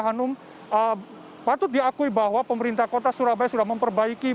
hanum patut diakui bahwa pemerintah kota surabaya sudah memperbaiki